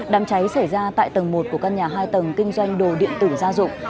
đám cháy xảy ra tại tầng một của căn nhà hai tầng kinh doanh đồ điện tử gia dụng